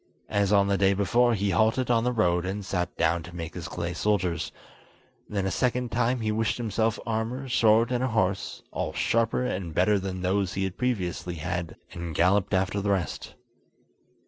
As on the day before, he halted on the road, and sat down to make his clay soldiers; then a second time he wished himself armour, sword, and a horse, all sharper and better than those he had previously had, and galloped after the rest.